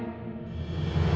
enggak udah kok